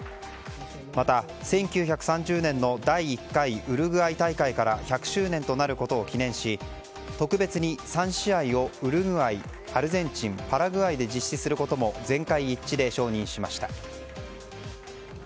また１９３０年の第１回ウルグアイ大会から１００周年となることを記念し特別に３試合をウルグアイ、アルゼンチンパラグアイで実施することも全会一致で承認しました。